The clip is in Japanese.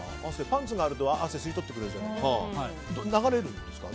パンツがあると汗を吸い取ってくれるじゃないですか。